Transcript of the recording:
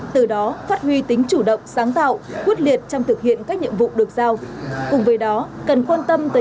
từ đó phát huy tính chủ động sáng tạo quyết liệt trong thực hiện các nhiệm vụ được giao